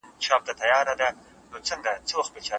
هرځل چې احترام وشي، شخړې کمېږي.